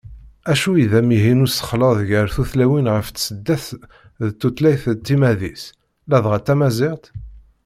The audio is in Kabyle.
Acu i d amihi n usexleḍ gar tutlayin ɣef tseddast d tutlayt s timmad-is, ladɣa tamaziɣt?